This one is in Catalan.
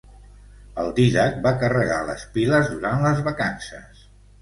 El Dídac va carregar les piles durant les vacances.